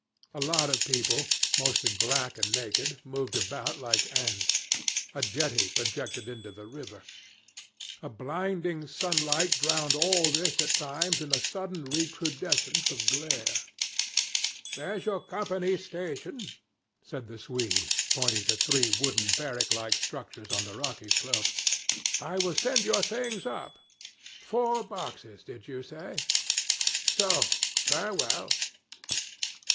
A lot of people, mostly black and naked, moved about like ants. A jetty projected into the river. A blinding sunlight drowned all this at times in a sudden recrudescence of glare. 'There's your Company's station,' said the Swede, pointing to three wooden barrack like structures on the rocky slope. 'I will send your things up. Four boxes did you say? So. Farewell.'